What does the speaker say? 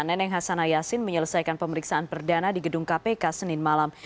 neneng hasanayasin menyelesaikan pemeriksaan perdana di gedung kpk senin malam